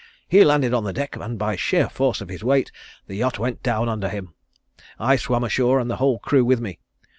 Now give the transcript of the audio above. "He landed on the deck and by sheer force of his weight the yacht went down under him. I swam ashore and the whole crew with me.